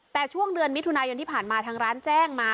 แต่ช่วงเดือนมิถุนายนที่ผ่านมาทางร้านแจ้งมา